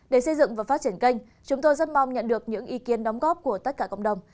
để xây dựng và phát triển kênh chúng tôi rất mong nhận được những ý kiến đóng góp của tất cả cộng đồng